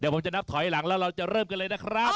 ผมจะนับถอยหลังแล้วเราจะเริ่มกันเลยนะครับ